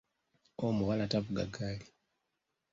Omuwala tavuga ggaali